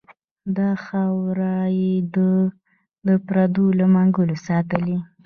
دا خاوره یې د پردو له منګلو ساتلې.